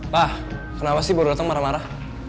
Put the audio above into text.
pak kenapa sih baru datang marah marah